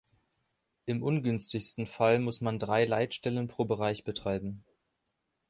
Im ungünstigsten Fall muss man drei Leitstellen pro Bereich betreiben.